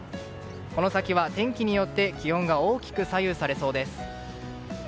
この先は天気によって気温が大きく左右されそうです。